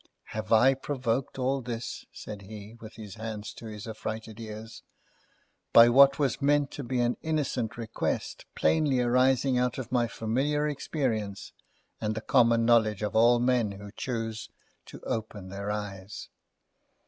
"Have I provoked all this," said he, with his hands to his affrighted ears, "by what was meant to be an innocent request, plainly arising out of my familiar experience, and the common knowledge of all men who choose to open their eyes?